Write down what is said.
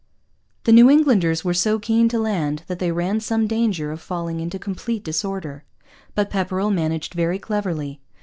The New Englanders were so keen to land that they ran some danger of falling into complete disorder. But Pepperrell managed very cleverly.